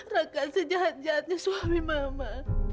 rakan sejahat jahatnya suami mama